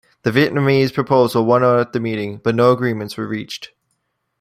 The Vietnamese proposal won out at the meeting, but no agreements were reached.